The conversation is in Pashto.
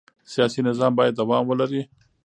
سیاسي نظام باید دوام ولري